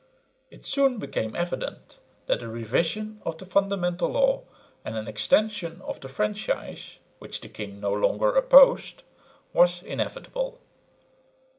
It soon became evident that a revision of the Fundamental Law and an extension of the franchise, which the king no longer opposed, was inevitable.